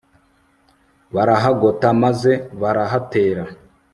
barahagota maze barahatera